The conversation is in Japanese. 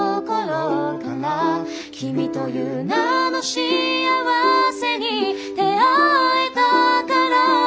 「君という名の幸せに出会えたから」